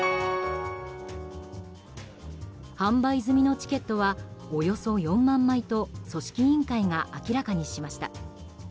販売済みのチケットはおよそ４万枚と組織委員会が明らかにしました。